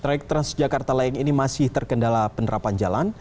traik transjakarta layang ini masih terkendala penerapan jalan